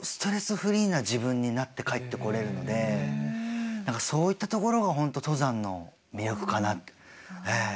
フリーな自分になって帰ってこれるので何かそういったところが本当登山の魅力かなええ。